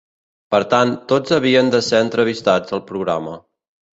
Per tant, tots havien de ser entrevistats al programa.